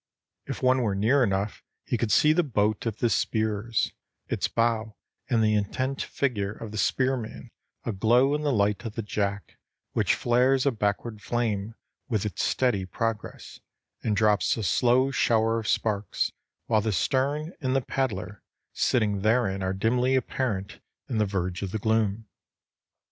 If one were near enough he could see the boat of the spearers, its bow and the intent figure of the spearman aglow in the light of the jack which flares a backward flame with its steady progress, and drops a slow shower of sparks, while the stern and the paddler sitting therein are dimly apparent in the verge of the gloom.